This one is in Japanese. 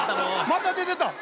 また出てた。